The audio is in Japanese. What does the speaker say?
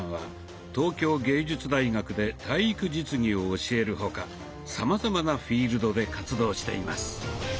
東京藝術大学で体育実技を教える他さまざまなフィールドで活動しています。